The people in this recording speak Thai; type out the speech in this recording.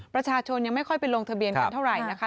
ประชาชนยังไม่ค่อยไปลงทะเบียนกันเท่าไหร่นะคะ